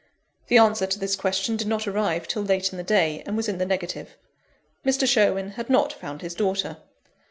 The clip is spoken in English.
The answer to this question did not arrive till late in the day; and was in the negative Mr. Sherwin had not found his daughter.